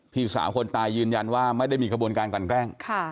พี่สาวคนตายยืนยันว่าไม่ได้มีขบวนการกันแกล้ง